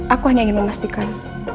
aku hanya ingin memastikan